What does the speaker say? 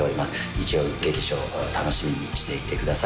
日曜劇場楽しみにしていてください